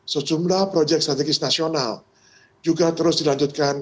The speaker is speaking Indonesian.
strategis nasional juga terus dilanjutkan